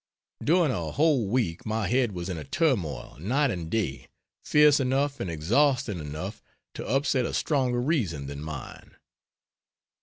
During a whole week my head was in a turmoil night and day fierce enough and exhausting enough to upset a stronger reason than mine.